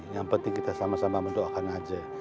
yang penting kita sama sama mendoakan aja